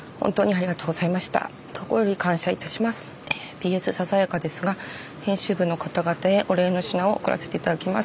「ＰＳささやかですが編集部の方々へお礼の品を贈らせて頂きます。